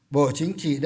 bộ chính trị đã chỉ đạo